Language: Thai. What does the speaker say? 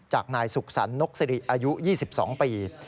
จากนายศุกษันนกศิริอายุ๒๒ปี